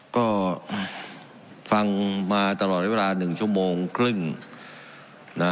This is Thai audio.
ก็ฟังมาตลอดเวลาหนึ่งชั่วโมงครึ่งนะ